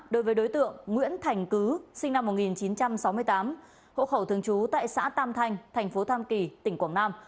đối với đối tượng nguyễn thành cứ sinh năm một nghìn chín trăm sáu mươi tám hộ khẩu thường trú tại xã tam thanh thành phố tam kỳ tỉnh quảng nam